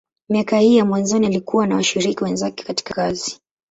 Miaka hii ya mwanzoni, alikuwa na washirika wenzake katika kazi.